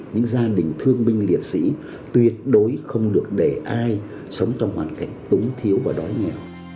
những gia đình thương binh liệt sĩ tuyệt đối không được để ai sống trong hoàn cảnh túng thiếu và đói nghèo